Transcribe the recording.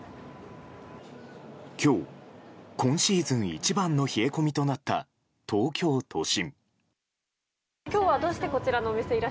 今日、今シーズン一番の冷え込みとなった東京都心。